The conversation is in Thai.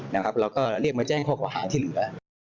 เราก็เรียกมาแจ้งข้อก่อหาที่เหลือ